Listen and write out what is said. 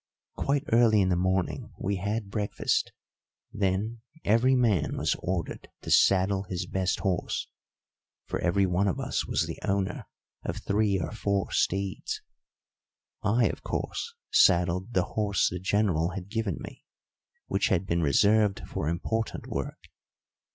Quite early in the morning we had breakfast, then every man was ordered to saddle his best horse; for every one of us was the owner of three or four steeds. I, of course, saddled the horse the General had given me, which had been reserved for important work.